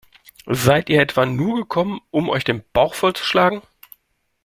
Seid ihr etwa nur gekommen, um euch den Bauch vollzuschlagen?